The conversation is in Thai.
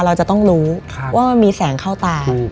เราจะต้องรู้ว่ามันมีแสงเข้าตา